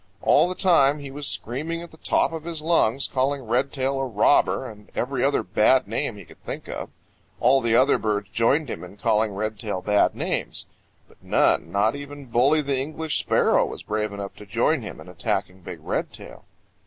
All the time he was screaming at the top of his lungs, calling Redtail a robber and every other bad name he could think of. All the other birds joined him in calling Redtail bad names. But none, not even Bully the English Sparrow, was brave enough to join him in attacking big Redtail.